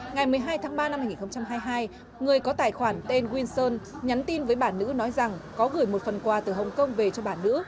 ngày một mươi hai tháng ba năm hai nghìn hai mươi hai người có tài khoản tên winson nhắn tin với bà nữ nói rằng có gửi một phần quà từ hồng kông về cho bà nữ